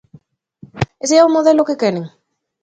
¿Ese é o modelo que queren?